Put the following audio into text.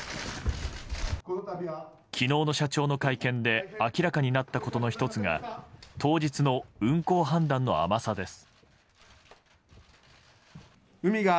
昨日の社長の会見で明らかになったことの１つが当日の運航判断の甘さです。